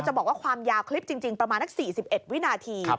บอกว่าความยาวคลิปจริงประมาณนัก๔๑วินาที